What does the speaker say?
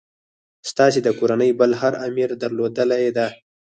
ستاسي د کورنۍ بل هر امیر درلودلې ده.